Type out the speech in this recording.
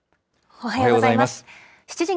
おはようございます。